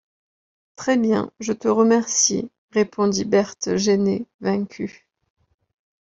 Très bien, je te remercie, répondit Berthe gênée, vaincue.